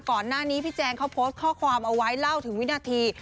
ก่อนหน้านี้พี่แจงเขาโพสต์ข้อความเอาไว้เล่าถึงวินาที